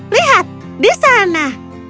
lihat di sana